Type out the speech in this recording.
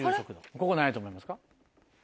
ここ何やと思いますか？